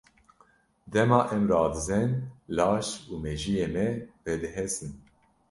Dema em radizên laş û mejiyê me vedihesin.